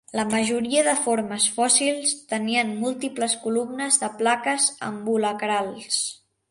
La majoria de formes fòssils tenien múltiples columnes de plaques ambulacrals.